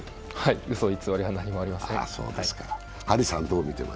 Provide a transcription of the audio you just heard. うそ偽りはありません。